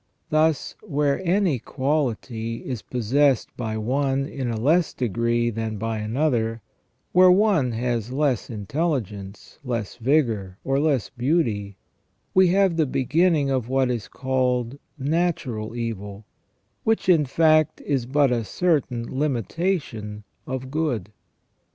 Thus, where any quality is possessed by one in a less degree than by another, where one has less intelligence, less vigour, or less beauty, we have the beginning of what is called natural evil, which, in fact, is but a certain limitation of good.